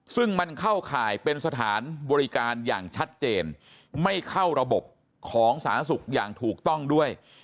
ซึ่งมันเข้าข่ายเป็นสถานบริการอย่างชัดเจนไม่เข้าระบบของสาธารณสุขอย่างถูกต้องด้วย